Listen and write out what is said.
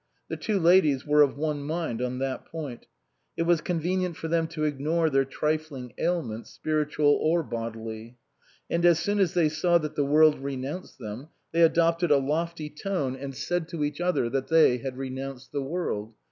The two ladies were of one mind on that point; it was con venient for them to ignore their trifling ail ments, spiritual or bodily. And as soon as they saw that the world renounced them they adopted a lofty tone and said to each other 215 SUPERSEDED that they had renounced the world.